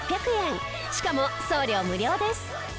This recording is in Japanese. しかも送料無料です。